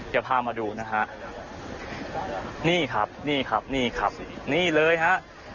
เดี๋ยวพามาดูนะฮะนี่ครับนี่ครับนี่ครับนี่เลยฮะ